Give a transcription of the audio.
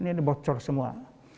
ini bocor semua